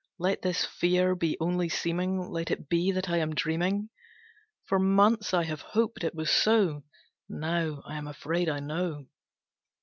Let this fear be only seeming, let it be that I am dreaming. For months I have hoped it was so, now I am afraid I know.